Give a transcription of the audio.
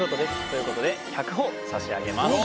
ということで１００ほぉ差し上げます。